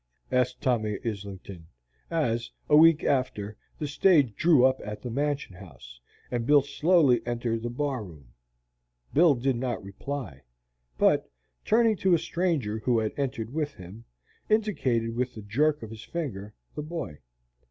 asked Tommy Islington, as, a week after, the stage drew up at the Mansion House, and Bill slowly entered the bar room. Bill did not reply, but, turning to a stranger who had entered with him, indicated with a jerk of his finger the boy.